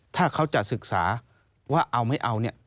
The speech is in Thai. ถ้าเขาจะศึกษาว่าเอาไม่เอาเนี่ย